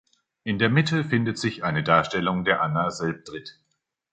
In der Mitte findet sich eine Darstellung der Anna selbdritt.